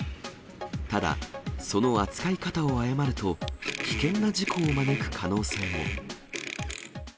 ただ、その扱い方を誤ると、危険な事故を招く可能性も。